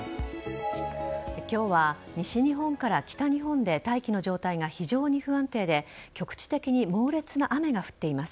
今日は西日本から北日本で大気の状態が非常に不安定で局地的に猛烈な雨が降っています。